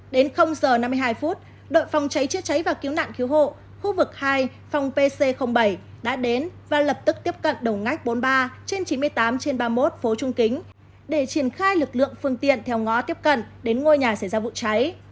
đến giờ năm mươi hai phút đội phòng cháy chữa cháy và cứu nạn cứu hộ khu vực hai phòng pc bảy đã đến và lập tức tiếp cận đầu ngách bốn mươi ba trên chín mươi tám trên ba mươi một phố trung kính để triển khai lực lượng phương tiện theo ngó tiếp cận đến ngôi nhà xảy ra vụ cháy